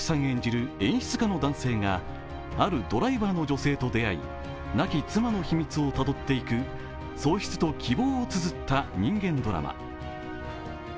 演じる演出家の男性があるドライバーの女性と出会い、亡き妻の秘密をたどっていく喪失と希望をつづった人間ドラマ。